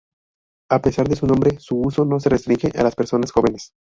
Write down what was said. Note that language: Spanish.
A pesar de su nombre, su uso no se restringe a las personas jóvenes.